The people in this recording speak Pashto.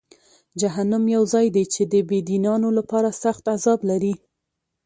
جهنم یو ځای دی چې د بېدینانو لپاره سخت عذاب لري.